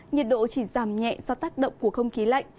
nhiệt độ chỉ giảm nhẹ do tác động của không khí lạnh